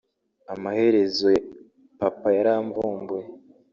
Amaherezo papa yaramvumbuye